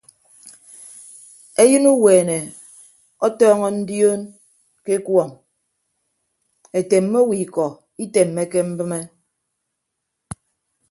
Eyịn uweene ọtọọñọ ndioon ke ekuọñ etemme owo ikọ itemmeke mbịme.